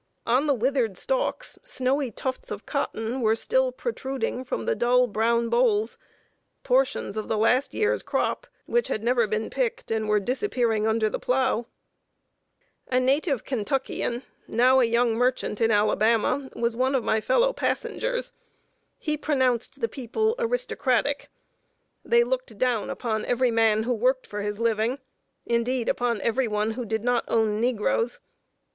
On the withered stalks snowy tufts of cotton were still protruding from the dull brown bolls portions of the last year's crop, which had never been picked, and were disappearing under the plow. [Sidenote: COTTON FIELDS. AN INDIGNANT ALABAMIAN.] A native Kentuckian, now a young merchant in Alabama, was one of my fellow passengers. He pronounced the people aristocratic. They looked down upon every man who worked for his living indeed, upon every one who did not own negroes.